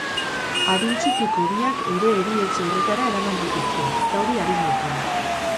Adin txikiko biak ere erietxe horretara eraman dituzte, zauri arinekin.